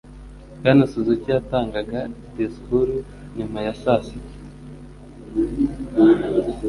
Bwana Suzuki yatangaga disikuru nyuma ya saa sita.